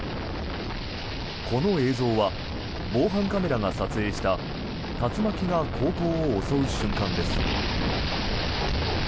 この映像は防犯カメラが撮影した竜巻が高校を襲う瞬間です。